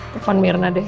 tepan mirna deh